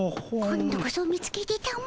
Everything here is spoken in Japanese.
今度こそ見つけてたも。